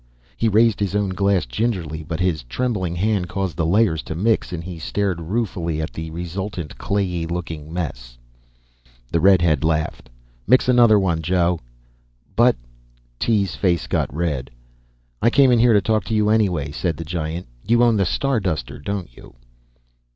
He raised his own glass gingerly, but his trembling hand caused the layers to mix and he stared ruefully at the resultant clayey looking mess. The redhead laughed. "Mix another one, Jo." "But " Tee's face got red. "I came in here to talk to you anyway," said the giant. "You own the Starduster, don't you?"